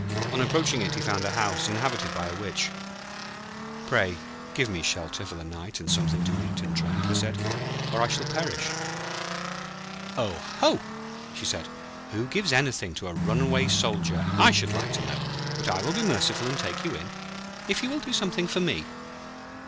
On approaching it, he found a house inhabited by a Witch. 'Pray give me shelter for the night, and something to eat and drink,' he said, 'or I shall perish.' 'Oh ho!' she said. 'Who gives anything to a runaway Soldier, I should like to know. But I will be merciful and take you in, if you will do something for me.'